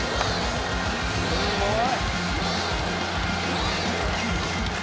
「すごい！」